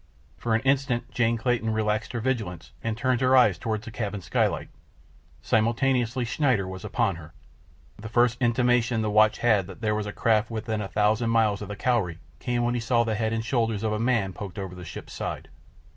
For an instant Jane Clayton relaxed her vigilance, and turned her eyes toward the cabin skylight. Simultaneously Schneider was upon her. The first intimation the watch had that there was another craft within a thousand miles of the Cowrie came when he saw the head and shoulders of a man poked over the ship's side.